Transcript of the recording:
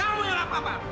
kamu yang apa